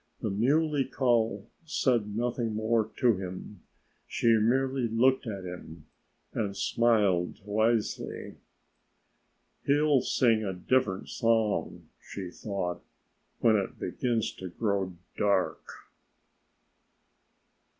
The Muley Cow said nothing more to him. She merely looked at him and smiled wisely. "He'll sing a different song," she thought, "when it begins to grow dark."